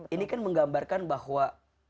ini kan menggambarkan bahwa